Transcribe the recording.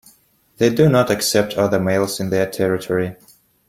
They do not accept other males in their territory.